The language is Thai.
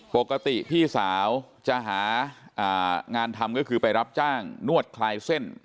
ปกติพี่สาวจะหางานทำก็คือไปรับจ้างนวดคลายเส้น